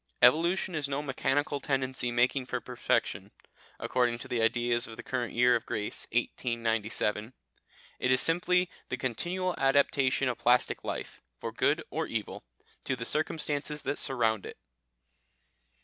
Evolution is no mechanical tendency making for perfection, according to the ideas current in the year of grace 1897; it is simply the continual adaptation of plastic life, for good or evil, to the circumstances that surround it....